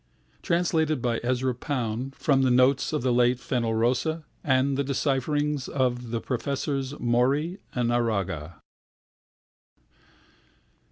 (Translated by Ezra Pound from the notes of the late Ernest Fenollosa, and the decipherings of the Professors Mori and Araga.)